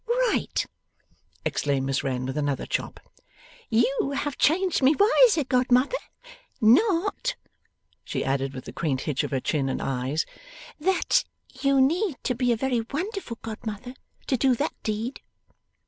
'Right!' exclaimed Miss Wren with another chop. 'You have changed me wiser, godmother. Not,' she added with the quaint hitch of her chin and eyes, 'that you need be a very wonderful godmother to do that deed.